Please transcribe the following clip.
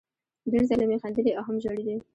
ډېر ځلې مې خندلي او هم ژړلي